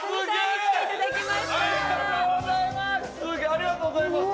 ありがとうございます。